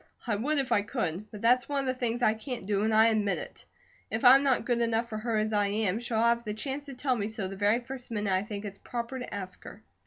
I would if I could, but that's one of the things I can't do, and I admit it. If I'm not good enough for her as I am, she'll have the chance to tell me so the very first minute I think it's proper to ask her."